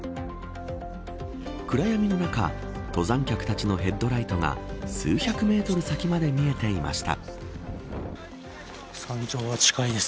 暗闇の中登山客たちのヘッドライトが数百メートル先まで見えていました。